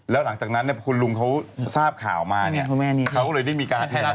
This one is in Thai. แล้วหลังจากนั้นคุณลุงเขาทราบข่าวมาเขาเลยได้มีการ